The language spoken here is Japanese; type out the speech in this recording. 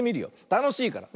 たのしいから。